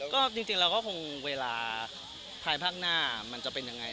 ก็จริงแล้วก็คงเวลาท้ายพักหน้ามันจะเป็นยังไง